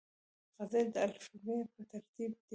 غزلې د الفبې پر ترتیب دي.